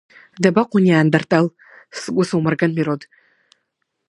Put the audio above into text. Дабаҟоу анеандертал, сгәы саумырган, Мирод!